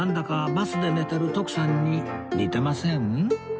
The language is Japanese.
バスで寝てる徳さんに似てません？